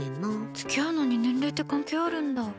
付き合うのに年齢って関係あるんだ。